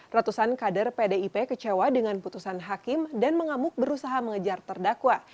ratusan kader pdip kecewa dengan putusan hakim dan mengamuk berusaha mengejar terdakwa